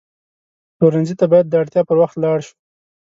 پلورنځي ته باید د اړتیا پر وخت لاړ شو.